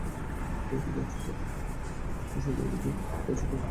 আগামী ধার্য তারিখে মামলার রায় ঘোষণার দিন ধার্য করতে পারেন আদালত।